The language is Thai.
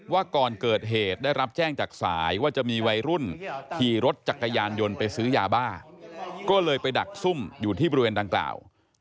ว่าก่อนเกิดเหตุได้รับแจ้งจากสายว่าจะมีวัยรุ่นขี่รถจักรยานยนต์ไปซื้อยาบ้า